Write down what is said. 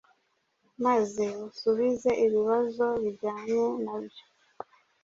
maze usubize ibibazo bijyanye na byo.